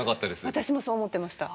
私もそう思ってました。